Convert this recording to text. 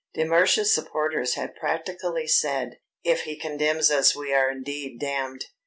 De Mersch's supporters had practically said: "If he condemns us we are indeed damned."